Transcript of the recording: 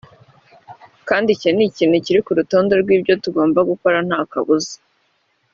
kandi icyo ni ikintu kiri ku rutonde rw’ibyo ngomba gukora nta kabuza